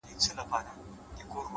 • چي لري د ربابونو دوکانونه ,